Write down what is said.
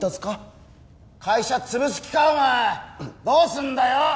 どうすんだよ！？